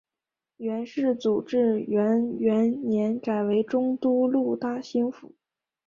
元世祖至元元年改为中都路大兴府。